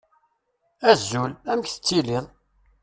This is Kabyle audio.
Azul, amek tettiliḍ?